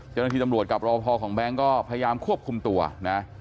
เจ้าหน้าที่ตำรวจกับรอพอของแบงค์ก็พยายามควบคุมตัวนะ